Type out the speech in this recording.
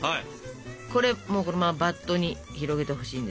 これもうこのままバットに広げてほしいんですよ。